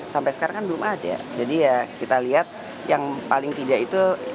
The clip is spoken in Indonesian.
sampai sekarang kan belum ada jadi ya kita lihat yang paling tidak itu